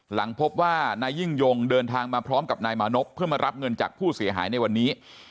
หลังพบว่านายยิ่งยงเดินทางมาพร้อมกับนายมานพเพื่อมารับเงินจากผู้เสียหายในวันนี้